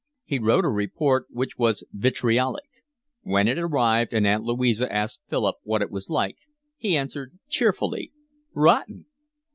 He wrote a report which was vitriolic. When it arrived and Aunt Louisa asked Philip what it was like, he answered cheerfully. "Rotten."